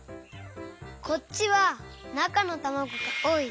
こっちはなかのたまごがおおい。